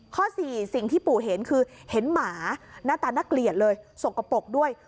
สี่สิ่งที่ปู่เห็นคือเห็นหมาหน้าตาน่าเกลียดเลยสกปรกด้วย